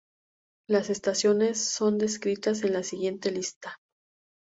Las estaciones son descritas en la siguiente lista.